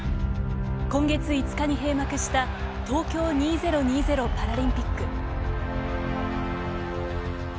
今月５日に閉幕した東京２０２０パラリンピック。